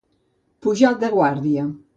Pujar de guàrdia.